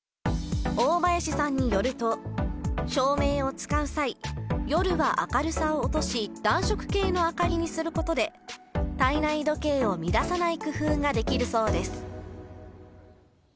大林さんによると、照明を使う際、夜は明るさを落とし、暖色系の明かりにすることで、体内時計を乱さない工夫ができるそうです。